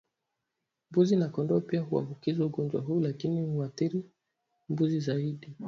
Mbuzi na kondoo pia huambukizwa ugonjwa huu lakini unaathiri mbuzi zaidi